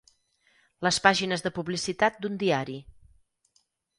Les pàgines de publicitat d'un diari.